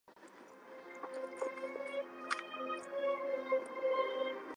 校本部位于日本千叶县千叶市。